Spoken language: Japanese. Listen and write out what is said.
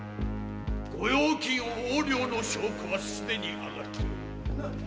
御用金横領の証拠はすでに挙がっておる〕